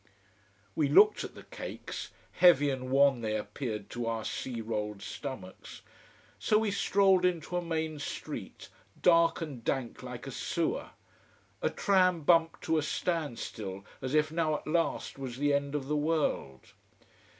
We looked at the cakes heavy and wan they appeared to our sea rolled stomachs. So we strolled into a main street, dark and dank like a sewer. A tram bumped to a standstill, as if now at last was the end of the world.